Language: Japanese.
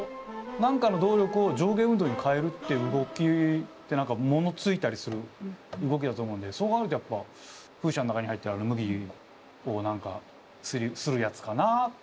何かの動力を上下運動に変えるっていう動きって何かものついたりする動きだと思うんでそう考えるとやっぱ風車の中に入ってる麦を何かするやつかなあ。